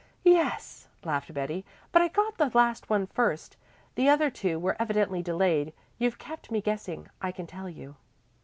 "Yes," laughed Betty, "but I got the last one first. The other two were evidently delayed. You've kept me guessing, I can tell you."